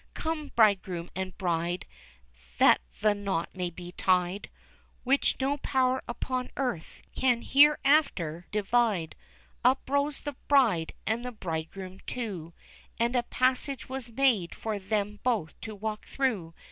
"Come, bridegroom and bride, That the knot may be tied Which no power upon earth can hereafter divide." Up rose the bride, and the bridegroom too, And a passage was made for them both to walk through!